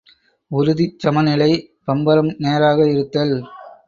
உறுதிச் சமநிலை பம்பரம் நேராக இருத்தல்.